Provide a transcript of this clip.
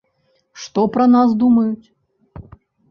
Што пра нас думаюць?